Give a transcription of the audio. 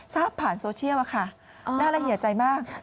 ทราบผ่านโซเชียลค่ะน่าละเอียดใจมาก